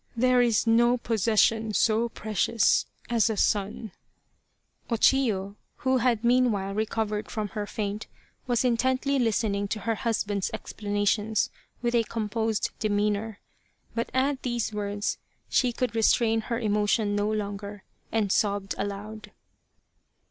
There is no possession so precious as a son." O Chiyo, who had meanwhile recovered from her faint, was intently listening to her husband's explana tions with a composed demeanour. But at these words she could restrain her emotion no longer, and sobbed aloud.